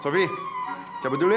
sofi cabut dulu ya